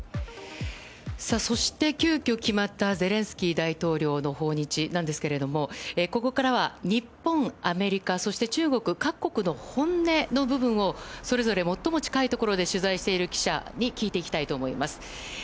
そして、急きょ決まったゼレンスキー大統領の訪日ですがここからは日本、アメリカそして中国各国の本音の部分をそれぞれ最も近いところで取材している記者に聞いていきたいと思います。